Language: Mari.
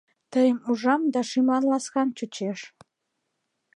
Тыйым ужам да, шӱмлан ласкан чучеш...